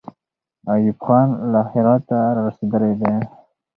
ایوب خان له هراته را رسېدلی دی.